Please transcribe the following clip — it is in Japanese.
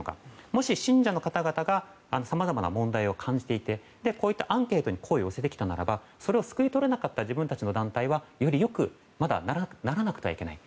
もし、信者の方々がさまざまな問題を感じていてこういったアンケートに声を寄せてきたならばそれを救い取れなかった自分たちの団体はより良くならなくてはいけない。